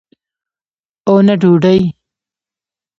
او نه ډوډۍ.